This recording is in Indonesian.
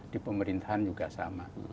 di pemerintahan juga sama